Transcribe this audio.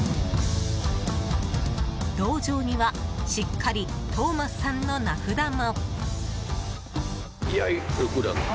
道場にはしっかりトーマスさんの名札も。